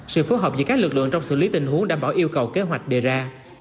sự phối hợp giữa các lực lượng trong xử lý tình huống đảm bảo yêu cầu kế hoạch đề ra